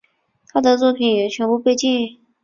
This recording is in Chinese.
他的作品也全部被禁。